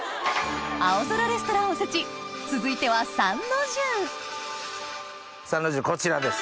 「青空レストランおせち」続いては参の重こちらです。